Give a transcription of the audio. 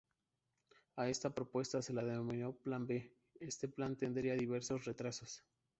A esta propuesta se la denominó Plan P, este plan tendría diversos retrasos.